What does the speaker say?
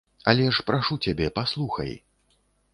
Але ж прашу цябе, паслухай.